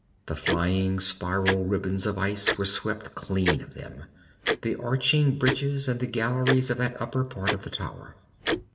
The flying spiral ribbons of ice were swept clean of them, the arching bridges and the galleries of that upper part of the tower.